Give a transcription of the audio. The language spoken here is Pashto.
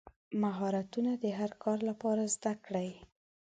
مهارتونه د هر کار لپاره زده کړئ.